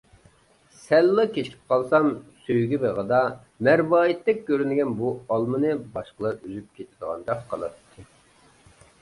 سەللا كېچىكىپ قالسام سۆيگۈ بېغىدا، مەرۋايىتتەك كۆرۈنگەن بۇ ئالمىنى باشقىلا ئۈزۈپ كېتىدىغاندەك قىلاتتى.